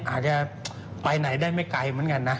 อาจจะไปไหนได้ไม่ไกลเหมือนกันนะ